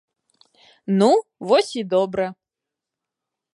Ну, вось і добра.